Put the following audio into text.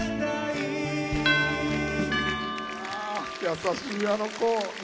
「優しいあの子」。